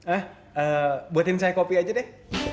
ah buatin saya kopi aja deh